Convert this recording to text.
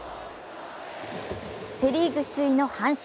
セ・リーグ首位の阪神。